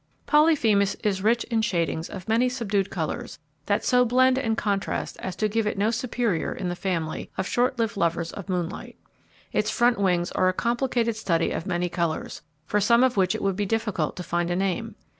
Polyphemus is rich in shadings of many subdued colours, that so blend and contrast as to give it no superior in the family of short lived lovers of moonlight. Its front wings are a complicated study of many colours, for some of which it would be difficult to find a name.